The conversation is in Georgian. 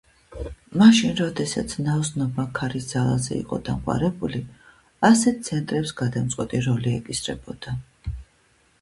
მაშინ, როდესაც ნაოსნობა ქარის ძალაზე იყო დამყარებული, ასეთ ცენტრებს გადამწყვეტი როლი ეკისრებოდა.